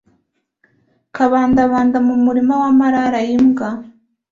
Kabandabanda mu murima wa Marara-Imbwa.